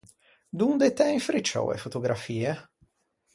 Donde t’æ infricciou e fotografie?